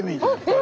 え！